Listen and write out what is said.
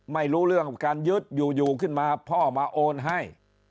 ไม่รู้เรื่องการยึดอยู่ขึ้นมาพ่อมาโอนให้